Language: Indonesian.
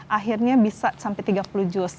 akhirnya bisa sampai tiga puluh juz